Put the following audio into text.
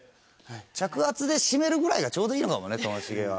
着圧で締めるぐらいがちょうどいいのかもねともしげは。